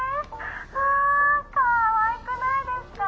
うわかわいくないですか？」。